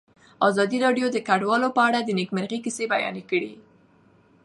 ازادي راډیو د کډوال په اړه د نېکمرغۍ کیسې بیان کړې.